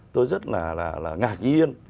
tôi rất là ngạc nhiên